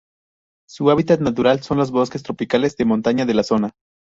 Su hábitat natural son los bosques tropicales de montaña de la zona.